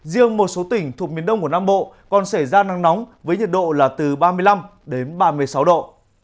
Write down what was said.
riêng một số tỉnh thuộc miền đông của nam bộ còn xảy ra nắng nóng với nhiệt độ là từ ba mươi năm đến ba mươi sáu độ